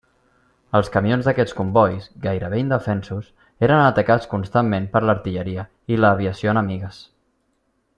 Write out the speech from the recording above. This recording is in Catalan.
Els camions d'aquests combois, gairebé indefensos, eren atacats constantment per l'artilleria i l'aviació enemigues.